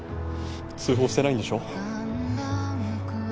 通報してないんでしょ？